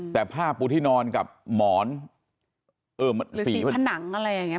แต่ผ้าปูที่นอนกับหมอนสีผนังอะไรอย่างนี้